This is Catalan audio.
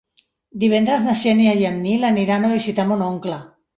Divendres na Xènia i en Nil aniran a visitar mon oncle.